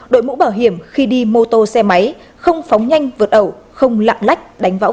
đội mũ bảo hiểm khi đi mô tô xe máy không phóng nhanh vượt ẩu không lạng lách đánh võng